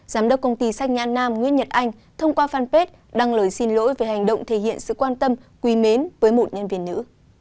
giám đốc công ty sách nhan nam nguyễn nhật anh thông qua fanpage đăng lời xin lỗi về hành động thể hiện sự quan tâm quý mến với một nhân viên nữ